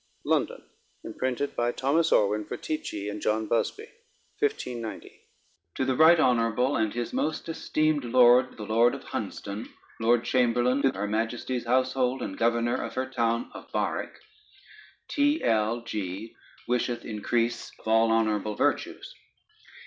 _ LONDON, Imprinted by Thomas Orwin for T.G. and John Busbie. 1590. To the Right Honorable and his most esteemed Lord the Lord of Hunsdon, Lord Chamberlain to her Majesty's Household, and Governor of her Town of Berwick: T.L.G. wisheth increase of all honorable virtues.